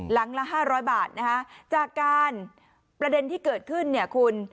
หลังละ๕๐๐บาทไฟล์จากการประเด็นที่เกิดขึ้นเนี่ยคุณ